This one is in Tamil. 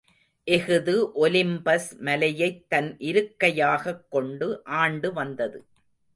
இஃது ஒலிம்பஸ் மலையைத் தன் இருக்கையாகக் கொண்டு ஆண்டு வந்தது.